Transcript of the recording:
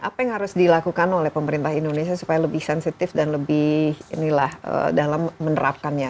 apa yang harus dilakukan oleh pemerintah indonesia supaya lebih sensitif dan lebih inilah dalam menerapkannya